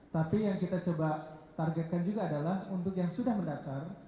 tapi yang kita coba targetkan juga adalah untuk yang sudah mendaftar